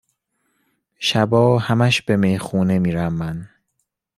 شبا همش به میخونه میرم من